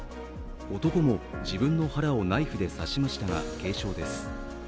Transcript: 男も、自分の腹をナイフで刺しましたが軽傷です。